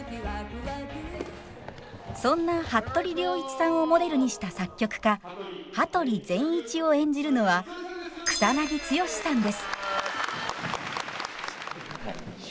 そんな服部良一さんをモデルにした作曲家羽鳥善一を演じるのは草剛さんです。